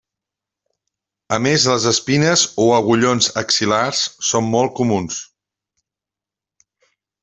A més les espines o agullons axil·lars són molt comuns.